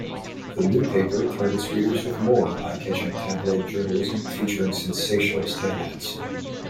"The New Paper" targets readers with more eye-catching tabloid journalism featuring sensationalist headlines.